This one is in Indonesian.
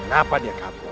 kenapa dia kabur